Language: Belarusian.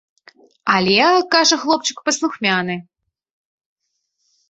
Але, кажа, хлопчык паслухмяны.